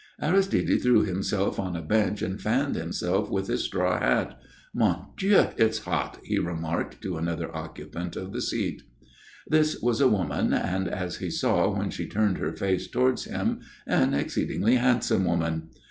Aristide threw himself on a bench and fanned himself with his straw hat. "Mon Dieu! it's hot!" he remarked to another occupant of the seat. This was a woman, and, as he saw when she turned her face towards him, an exceedingly handsome woman.